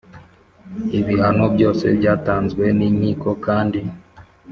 Ibihano byose byatanzwe n inkiko kandi